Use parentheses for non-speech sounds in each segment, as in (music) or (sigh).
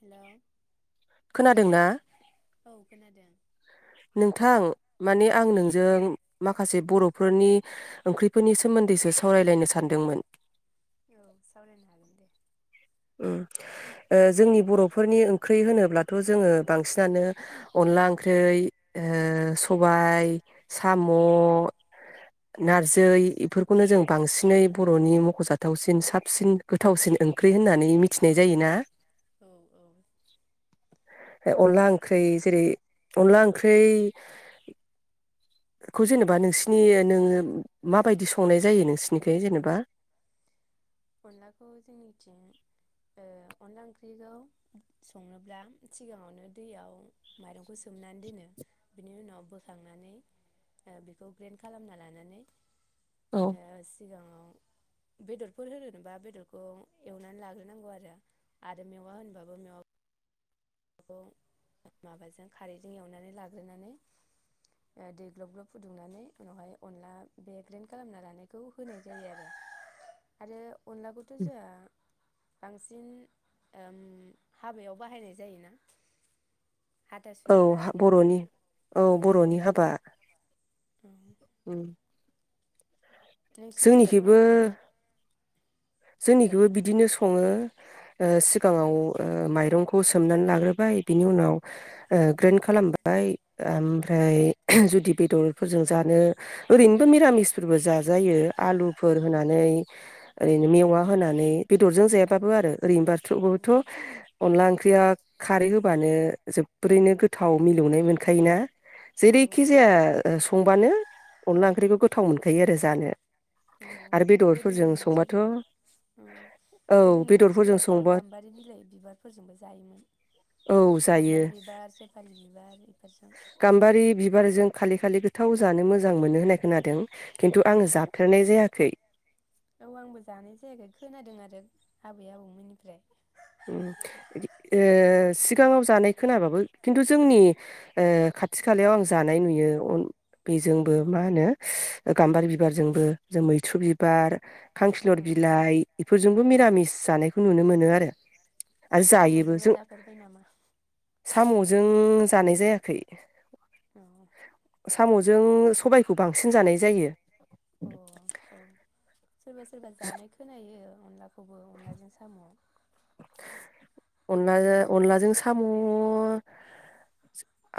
Hello खोनादोंना औ खोनादों। नोंथां माने आं नोंजों माखासे बर'फोरनि ओंख्रिफोरनि सोमोन्दैसो सावरायलायनो सानदोंमोन? औ सावरायनो हागोन दे उम ओ जोंनि बर'फोरनि ओंख्रि होनोब्लाथ' जोङो बांसिनानो अनला ओंख्रियै ओ सबाय साम' औ नारजै इफोरखौनो जों बांसिनै बर'नि मख'जाथावसिन साबसिन गोथावसिन ओंख्रि होननानै मिथिनाय जायोना? औ औ अनला जायो ओंख्रि जेरै अनला ओंख्रै खौ जेनेबा नोंसिनि नोङो मा बायदि संनाय जायो नोंसिनिखै जेनेबा? अनलाखौ जोंनिथिं अनला ओंख्रिखौ संनोब्ला सिगाङावनो दैयाव माइरंखौ सोमनानै दोनो बिनि उनाव बोखांनानै बेखौ ग्रेन्ड खालामना लानानै औ ओ सिगाङाव बेदरफोर होनोबा बेदरखौ एवनानै लाग्रोनांगौ आरो आरो मेवा होनबाबो मेवा माबाजों खारैजों एवनानै लाग्रोनानै दै ग्लब ग्लब फुदुंनानै उनावहाय अनला बे ग्रेन्ड खालामना लानायखौ होनाय जायो आरो अनलाखौथ जोङा बांसिन ओम हाबायाव बाहायनाय जायोना। औ हाथासुनिफोराव बर'नि औ बर'नि हाबा औ नोंसिनिथिंलाय माबोरै जोंनिखौबो बिदिनो सङो ओ सिगाङाव ओ माइरंखौ सोमनानै लाग्रोबाय बिनि उनाव ओ ग्रेन्ड खालामबाय ओमफ्राय जुदि बेदरफोरजों जानो ओरैनोबो मिरामिस फोरबो जाजायो आलुफोर होनानै ओरैनो मेवा होनानै बेदरजों औ जायाबाबो आरो औ ओरैनोबाथबोथ' अनला ओंख्रिया खारै होबानो जोबोरैनो गोथाव मिलौनाय मोनखायोना? औ जेरैखिजाया ओ संबानो अनला ओंख्रिखौ गोथाव मोनखायो आरो जानो। आरो बेदरफोरजों संबा अ गोदोनि बेदरफोरजों मानसिफोराथ' संबा गाम्बारि बिलाइ बिबारफोरजोंबो जायोमोन औ जायो गाम्बारि बिबार, सेफालि बिबार बेफोरजों। गाम्बारि बिबारजों खाले खाले गो थाव जानो मोजां मोनो होननाय खोनादों। खिन्थु औ आङो जाफेरनाय जायाखै औ आंबो जानाय जायाखै खोनादों आरो। आबै आबौमोननिफ्राय। उम इदि ओ सिगाङाव जानाय खोनाबाबो खिन्थु जोंनि ओ खाथि खालायाव आं जानाय नुयो अन बेजोंबो औ मा होनो ओ गाम्बार बिबारजोंबो जों मैथ्रु बि बार खांखिलुर औ बिलाइ इफोरजोंबो उम मिरामिस जानायखौ नुनो मोनो आरो। आरो जायोबो साम'जोंलाय जों जाफेरबाय नामा? साम'जों जानाय जायाखै। औ साम'जों सबायखौ बांसि सिन जानाय जायो। औ औ सोरबा सोरबा जानाय खोनायो। अनलाखौबो अनलाजों साम' अनला अनलाजों साम'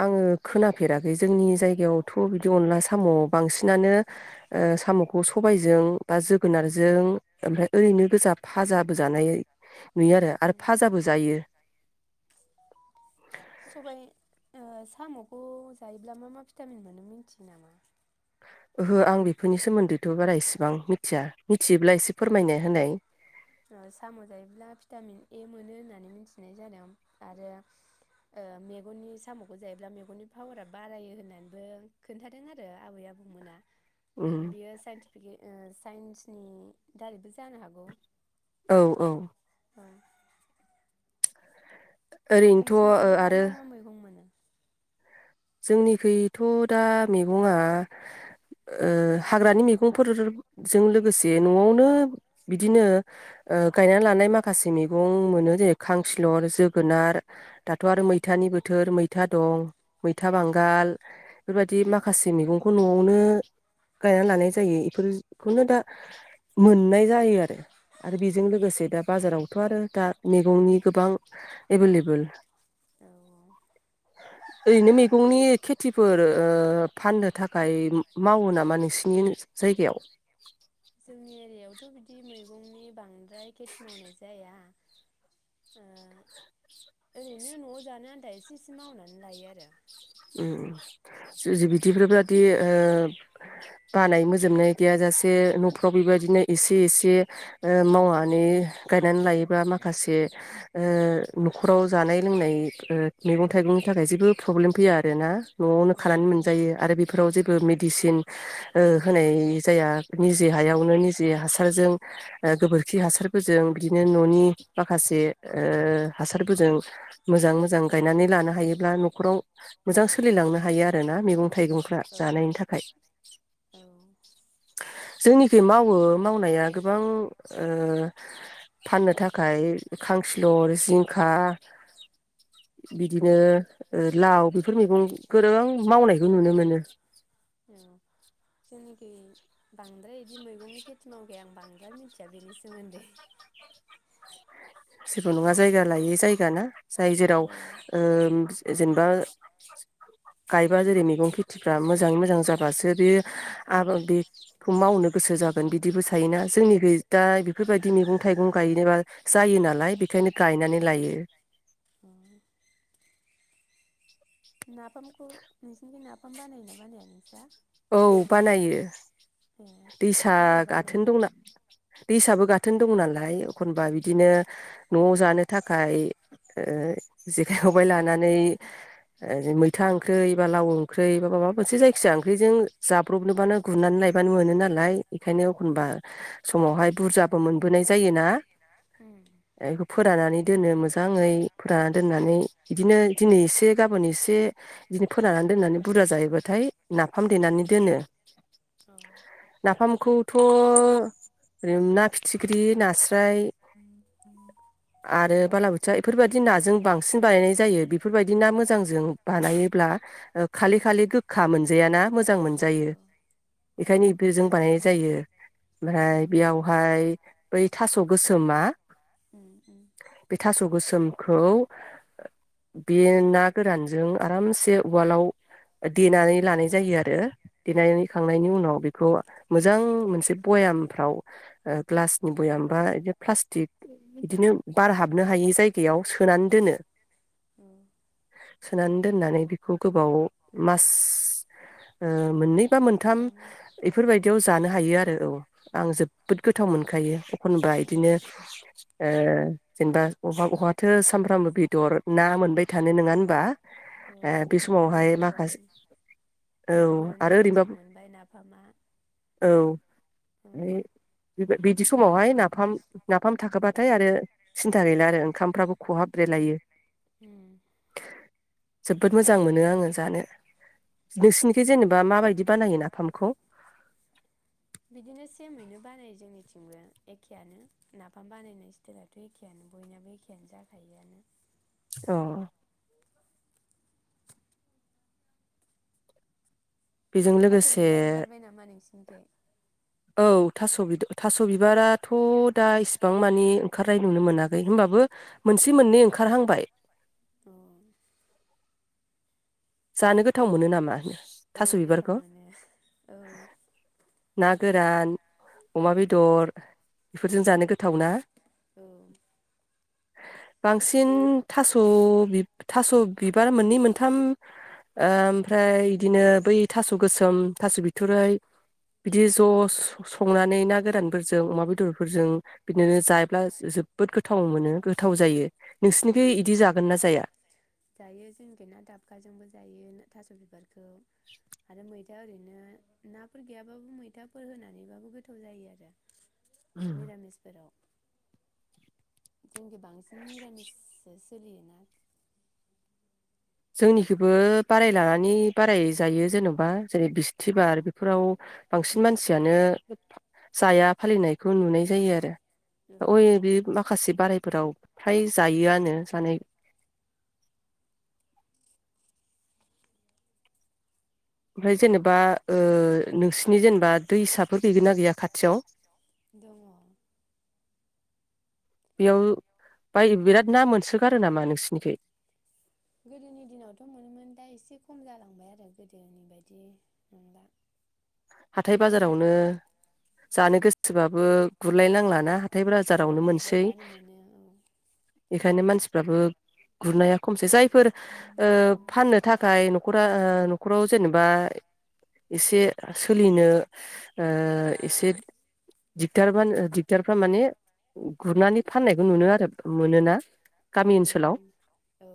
आङो खोनाफेराखै जोंनि जायगायावथ' बिदि अनला साम' बांसिनानो ओ साम'खौ सबायजों बा जोगोनारजों ओमफाय ओरैनो गोजा फा फाजाबो जानायै नुयो आरो आरो उम फाजाबो जायो। सबाय ओ साम'खौ जायोब्ला मा मा भिटामिन मोनो मिनथियो नामा? ओहो आं बेफोरनि सोमोन्दैथ' बारा इसेबां मिथिया मिथियोब्ला एसे फोरमायनो होनाय। ओ साम' जायोब्ला भिटामिन ए मोनो होननानै मिथिनाय जादों आरो ओ मेगननि साम'खौ जायोब्ला मेगननि पावारा बारायो होननानैबो खोन्थादों आरो आबै आबौमोना। उम बियो साइन्टिफिके ओस साइन्सनि दारैबो जानो हागौ। औ औ औ ओरैनोथ' ओ नोंसिनिखि दा आरो मा मा मैगं मोनो? जोंनिखैथ' दा मेगङा ओ हाग्रानि मैगंफोरजों लोगोसे न'आवनो बिदिनो ओ गायनानै लानाय माखासे मैगं मोनो जेरै खांखिलर जोगोनार दाथ' आरो उम मैथानि बोथोर मैथा दं। मैथा औ बांगाल फोरबादि माखासे मेगंखौ न'आवनो गायना लानाय जायो इफोरखौनो दा मोननाय जायो आरो। आरो औ बेजों लोगोसे दा बाजाराव थ' आरो दा मैगंनि गोबां एभेलेबोल औ (inaudible) फुंनि खेथिफोर ओ फाननो थाखाय मावो नामा नोंसिनि जायगायाव? जोंनि एरियाव थ' बिदि मैगंनि बांद्राय खेथि मावनाय जाया ओ ओरैनो न'आव जानो आन्दा एसे इसे मावनानै लायो आरो। उम जुजि बिदिफोरबादि ओ बानाय मोजोबनाय गैयाजासे न'फ्राव बेबायदिनो एसे एसे ओ मावनानै गायनानै लायोबा माखासे ओ न'खराव जानाय लोंनाय ओ मैगं थाइगंनि थाखाय जेबो प्रब्लेम फैया आ रोना न'आवनो औ खानानै औ मोनजायो आरो बेफोराव जेबो मेडिसिन ओ उम होनाय जाया निजे औ हायावनो निजे हासारजों ओ गोबोरखि हासारफोरजों बिदिनो न'नि ओ माखासे हासारफोरजों मोजां मोजां गायनानै लानो हायोब्ला न'खराव मोजां सोलिलांनो हायो आ रो ना मेगं थाइगंफ्रा औ जानायनि थाखाय। जोंनिखै मावो मावनाया गोबां ओ फाननो थाखाय खांखिलर जिंखा औ बिदिनो ओ लाव बि फोर मैगं गोरों मावनायखौ नुनो मोनो। औ जोंनिखै बांद्राय इदि मैगंनि खेथि मावगै आं बांद्राय मिथिया बिनि सोमोन्दै। जेबो नङा जायगा लायै जायगा ना जाय जेराव औ ओम जेनेबा गायबा जेरै मैगं खेथिफा मोजाङै मोजां जाबासो बे औ आबा बे खौ मावनो गोसो जागोन बिदिबो थायोना जोंनिखै दा बेफोरबायदि मैगं थाइगं गायनोबा जायो नाल लाय बेखायनो गायनानै लायो। अ (inaudible) नाफामखौ नोंसिनिखै नाफाम बानायोना बानाया नोंसा? औ बानायो ए दैसा मारै गाथोन बानायो दंना दैसाबो गाथोन दं नालाय एखनबा उम बिदिनो नवाव जानो था खाइ ओ जेखाइ खबबाय लानानै ओ मैथा ओंख्रै बा लाव ओंख्रै बा माबा मोनसे जायखिजाया ओं ख्रिजों जाब्रबनोबानो गुरनानै लायबानो मोनो नालाय बेखायनो एखनबा समावहाय बुरजाबो मोनबोनाय जायोना बेखौ फोरानानानै दोनो मोजाङै फोराननानै दोननानै इदिनो दिनै एसे गाबोन एसे इदिनो फोरानानानै दोननानै बुरजा जायोबाथाय नाफाम देनानै दोनो। औ नाफामखौथ' ओरैनो‌ ना फिथिख्रि नारस स्राय आरो उम औ बालाबोथिया इफोरबादि नाजों बांसिन बानायनाय जायो बेफोरबायदि ना मोजांजों बानायोब्ला ओ खालि खालि गोखा मोन याना मोजां अ मोनजायो एखायनो इफेजों बानायनाय जायो। यो। औ ओमहाय बियावहाय बै थास' गोसोमा उम उम सोमखौ बे ना‌ गोरानजों आरामसे उवालआव ओ देनानै लानाय जायो आरो देनानै औ खांनायनि उनाव बेखौ मोजां मोनसे बयामफ्राव ओ ग्लासनि भयाम बा बिदि प्लास्टिक बिदिनो बार हाबनो हायि जायगायाव सोनानै दोनो। औ (inaudible) सोनानै दोननानै बेखौ गोबाव मास ओ मोननै बा मोनथाम जानो एफोरबायदियाव जानो हायो आरो औ आं जोबोद गोथाव मोनखायो एखनबा औ इदिनो ओ जेनेबा अहा अहाथो सामफ्रामबो बेदर ना मोनबाय थानो नङा होनबा? औ आ बे आरो समावहाय माखास बर'नि औ बर'नि जि आइ टेग मोनबाय नाफामा औ औ। बिदि समावहाय नाफाम नाफाम थाखाबा थाय आरो सिन्था गैला आरो ओंखामफ्राबो खहाब ब्रेलायो। उम जोबोद मोजां मोनो आङो जानो। नोंसिनिखै जेनेबा माबायदि बानायो नाफामखौ? बिदिनो सेमैनो बानायो जोंनिथिंबो एखेयानो नाफाम बानायनाय स्टेलाथ' एखेयानो बयनाबो एखेयानो जाखायोआनो। अ बेजों थास' लोगोसे बिबार ओंखारबाय नामा नोंसिनिखै? औ थास' बिद थास' बिबाराथ' दा इसिबां मानि ओंखारनाय नुनो मोनाखै होनबाबो मोनसे मोननै ओंखारहांबाय। औ जानो गोथाव मोनो नामा? औ थास' गोथाव बिबारखौ मोनो औ नागोरान अमा बेदर बेफोरजों जानो औ गोथाव ना बांसिन थास' थास' बिबार मोननै मोनथाम ओमफ्राय बिदिनो बै थास' गोसोम थास' बिथुरै बिदि औ ज' संनानै औ ना गोरानफोरजों अमा बेदरफोरजों बिदिनो (unintelligible) जोबोद गोथाव मोनो गोथाव जायो औ नोंसिनिखै बिदि जागोन ना जाया? जायो जोंनिखै ना दाबखाजोंबो जायो थास' बिबारखौ आरो मैथा ओरैनो नाफोर गैयाबाबो मैथाफोर होनानैबाबो गोथाव जायो आरो मिरामिसफोराव जोंखै बांसिन निरामिस सलियोना जोंनिखैबो बाराय लानानै बाराय जायो जेन'बा जेरै बिस्थिबार बेफोराव बांसिन मानसियानो जाया फालिनायखौ नुनाय जायो आरो औ अय बे माखासे बाराय फोराव फ्राय जायोआनो जानाय ओमफ्राय जेनेबा नोंसिनि जेनेबा दैसाफोर गैगोना गैया खाथियाव दङ बेयाव बाय बिराद ना मोनसोगारो नामा नोंसिनिखै थांबाय आरो गोदोनि बायदि नंला हाथाय गुरहैयो बाजारावनो थेवबो जानो गोसो (unintelligible) गुरलाय औ नांलाना हाथाय औ बाजारावनो मोनसै लायब्रबबानो मोनो बेखायनो मानसिफ्राबो गुरनाया खमसै जायो फोर औ फाननो थाखाय न'खरा नखराव जेनेबा एसे सोलिनो ओ एसे दिगदारमोन दिगदारफ्रा माने गुरनानै फाननायखौ नुनो आरो मोनोना औ गामि ओनसोलाव -औ - औ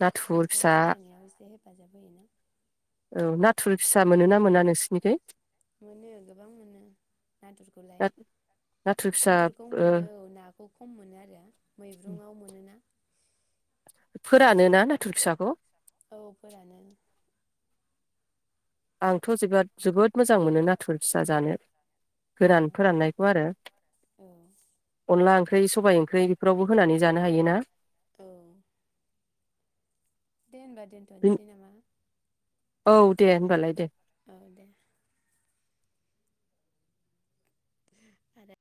नाथुर न'खर फिसा सालायनायाव एसे हेब हेफाजाब होयोना नाथुर फिसा मोनो ना मोना नोंसोरनिथिं? मोनो गोबां मोनो नाथुरखौलाय नाथुर फिसा नाथुरखौ ओ मोनो औ नाखौ खम मोनो आरो मैब्रुङाव मोनोना? फोरानोना नाथुर फिसाखौ औ फोरानो आंथ' जेब्ला जोबोद मोजां मोनो नाथुर फिसा जानो औ गोरान फोराननायखौ आरो औ अनला ओंख्रि ओंख्रि सबाइ ओंख्रि बेफोरावबो होनानै जानो हायो ना? औ दे होनबा दोनथ'नोसै नामा औ दे होनबालाय दे औ दे आरो